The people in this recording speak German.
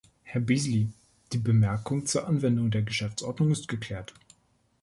Herr Beazley, die Bemerkung zur Anwendung der Geschäftsordnung ist geklärt.